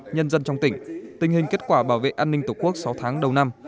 nhân dân trong tỉnh tình hình kết quả bảo vệ an ninh tổ quốc sáu tháng đầu năm